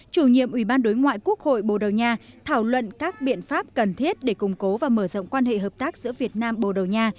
chủ nhiệm ubnd quốc hội bồ đầu nha thảo luận các biện pháp cần thiết để cung cố và mở rộng quan hệ hợp tác giữa việt nam bồ đầu nha